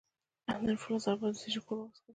د انفلونزا لپاره د څه شي ښوروا وڅښم؟